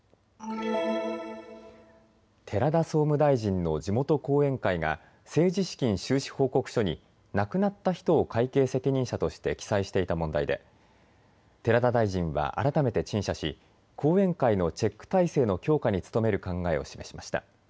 寺田総務大臣の地元後援会が政治資金収支報告書に亡くなった人を会計責任者として記載していた問題で寺田大臣は改めて陳謝し後援会のチェック体制の強化に努める考えを示しました。